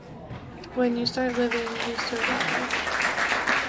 When you start living, you start dying.